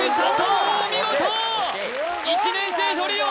１年生トリオ！